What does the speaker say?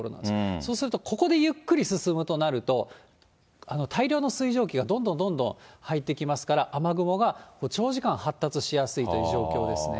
そうするとここでゆっくり進むとなると、大量の水蒸気がどんどんどんどん入ってきますから、雨雲が長時間発達しやすいという状況ですね。